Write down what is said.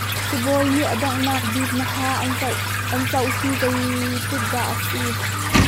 Sibawi nih a donghnak bik na haa an zoh hi zeitik dah a si?